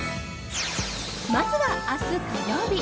まずは明日、火曜日。